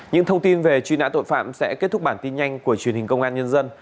những thông tin về truy nã tội phạm sẽ kết thúc bản tin nhanh của truyền hình công an nhân dân